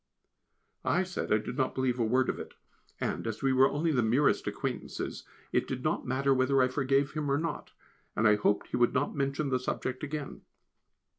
I said I did not believe a word of it, and, as we were only the merest acquaintances, it did not matter whether I forgave him or not, and I hoped he would not mention the subject again.